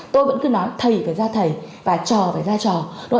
tôi vẫn cứ nói thầy phải ra thầy và trò phải ra trò